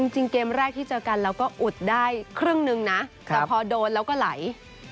จริงเกมแรกที่เจอกันเราก็อุดได้ครึ่งนึงนะแต่พอโดนแล้วก็ไหล